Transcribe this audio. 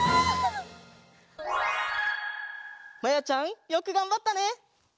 まやちゃんよくがんばったね！